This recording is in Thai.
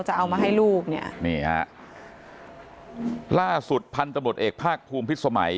จะเอามาให้ลูกเนี่ยนี่ฮะล่าสุดพันธุ์ตำรวจเอกภาคภูมิพิษสมัย